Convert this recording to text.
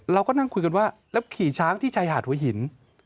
เราก็นั่งคุยกันว่าแล้วขี่ช้างที่ชายหาดหัวหิน